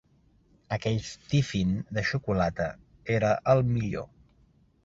Aquell tiffin de xocolata era el millor!